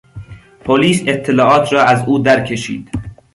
پلیس اطلاعات را از او در کشید.